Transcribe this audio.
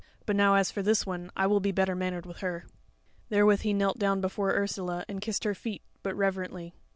But now as for this one, I will be better mannered with her." Therewith he knelt down before Ursula, and kissed her feet, but reverently.